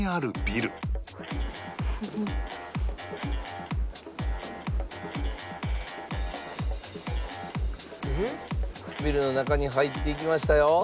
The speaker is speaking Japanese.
「ビルの中に入っていきましたよ」